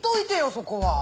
そこは。